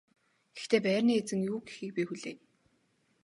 Гэхдээ байрны эзэн юу гэхийг би хүлээе.